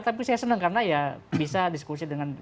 tapi saya senang karena ya bisa diskusi dengan